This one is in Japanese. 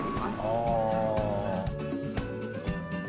ああ。